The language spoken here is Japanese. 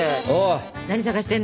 何探してんの？